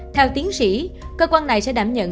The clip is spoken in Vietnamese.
theo tiến sĩ cơ quan này sẽ đảm nhận